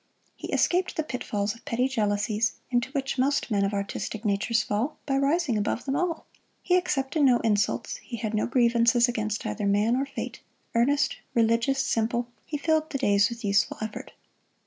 He escaped the pitfalls of petty jealousies, into which most men of artistic natures fall, by rising above them all. He accepted no insults; he had no grievances against either man or fate; earnest, religious, simple he filled the days with useful effort.